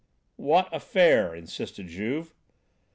"What affair?" insisted Juve.